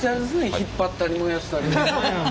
引っ張ったり燃やしたり。